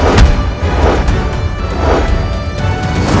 tapi aku sudah melakukannya